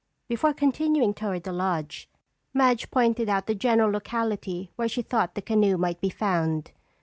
Before continuing toward the lodge, Madge pointed out the general locality where she thought the canoe might be found.